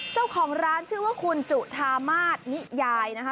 เจ้าของร้านชื่อว่าคุณจุธามาศนิยายนะคะ